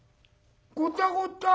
「ゴタゴタ？